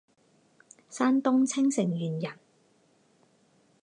山东青城县人。